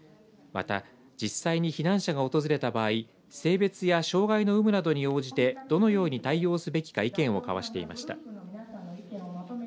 また、実際に避難者が訪れた場合性別や障害の有無などに応じてどのように対応すべきか意見を交わしていました。